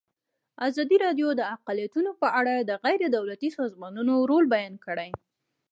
ازادي راډیو د اقلیتونه په اړه د غیر دولتي سازمانونو رول بیان کړی.